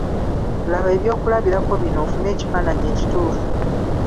Laba ebyokulabirako bino ofune ekifaananyi ekituufu.